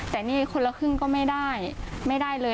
แต่หนี้คนละครึ่งก็ไม่ได้ไม่ได้เลย